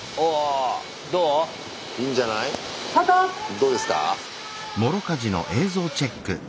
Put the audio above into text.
どうですか？